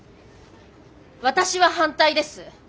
私は反対です。